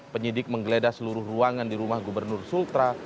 penyidik menggeledah seluruh ruangan di rumah gubernur sultra